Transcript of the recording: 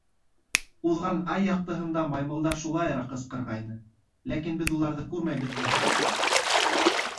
— Уҙған ай яҡтыһында маймылдар шулайыраҡ ҡысҡырғайны, ләкин беҙ уларҙы күрмәйбеҙ ҙәһә.